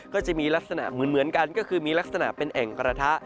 ก็จะมีลักษณะเหมือนกันก็คือมีลักษณะเป็นแอ่งกระทะ